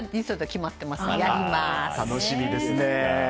楽しみですね！